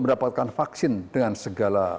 mendapatkan vaksin dengan segala